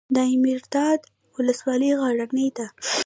دایمیرداد ولسوالۍ غرنۍ ده؟